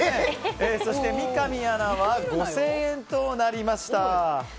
そして三上アナは５０００円となりました。